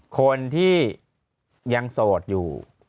คนที่ยังโสดอยู่